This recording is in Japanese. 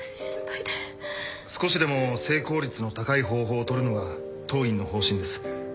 少しでも成功率の高い方法を取るのが当院の方針です。